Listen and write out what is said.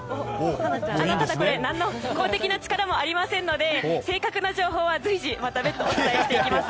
ただこれ、何の公的な力もありませんので正確な情報は随時またお伝えします。